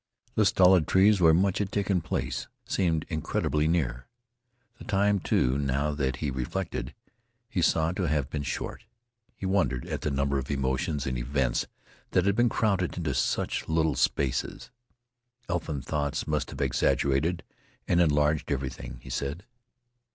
The stolid trees, where much had taken place, seemed incredibly near. The time, too, now that he reflected, he saw to have been short. He wondered at the number of emotions and events that had been crowded into such little spaces. Elfin thoughts must have exaggerated and enlarged everything, he said.